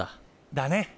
だね！